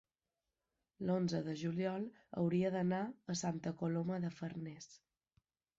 l'onze de juliol hauria d'anar a Santa Coloma de Farners.